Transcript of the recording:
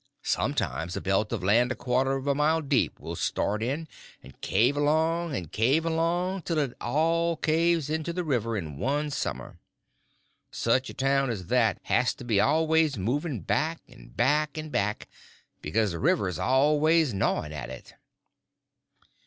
Sometimes a belt of land a quarter of a mile deep will start in and cave along and cave along till it all caves into the river in one summer. Such a town as that has to be always moving back, and back, and back, because the river's always gnawing at it.